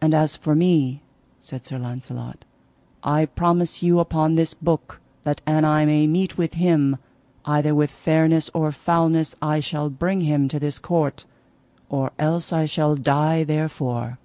And as for me, said Sir Launcelot, I promise you upon this book that an I may meet with him, either with fairness or foulness I shall bring him to this court, or else I shall die therefore.